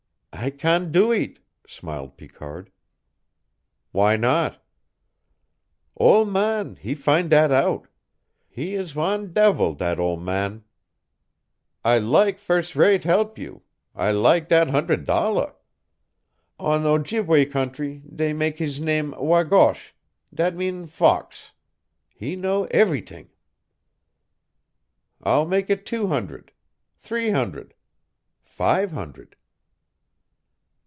"I can' do eet," smiled Picard. "Why not?" "Ole man he fin' dat out. He is wan devil, dat ole man. I lak firs' rate help you; I lak' dat hundred dollar. On Ojibway countree dey make hees nam' Wagosh dat mean fox. He know everyt'ing." "I'll make it two hundred three hundred five hundred."